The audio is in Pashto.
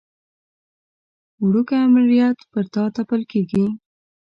وړوکی امریت پر تا تپل کېږي.